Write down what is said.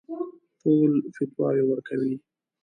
ټول فتواوې ورکوي.